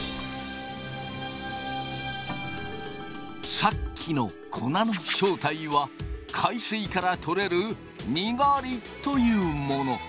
さっきの粉の正体は海水から取れるにがりというもの。